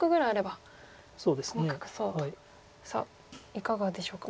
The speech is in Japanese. いかがでしょうか？